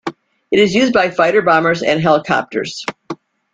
It is used by fighter bombers and helicopters.